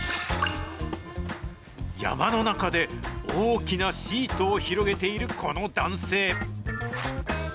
山の中で大きなシートを広げているこの男性。